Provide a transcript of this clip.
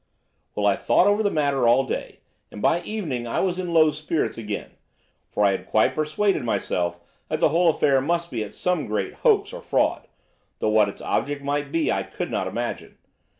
"Well, I thought over the matter all day, and by evening I was in low spirits again; for I had quite persuaded myself that the whole affair must be some great hoax or fraud, though what its object might be I could not imagine.